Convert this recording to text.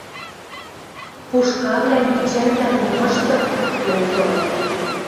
Пушкавлӓм, пичӓлвлӓм ньымыштыт, локтылыт.